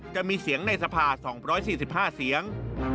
จะมีเสียงในสภา๒๔๕เสียง